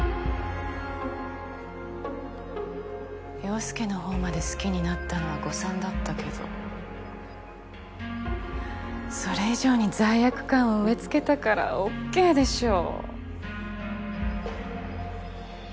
陽佑のほうまで好きになったのは誤算だったけどそれ以上に罪悪感を植え付けたからＯＫでしょ。